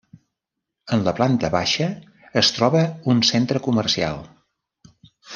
En la planta baixa es troba un centre comercial.